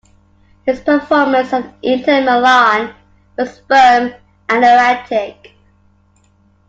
His performance at Inter Milan was "firm" and "erratic".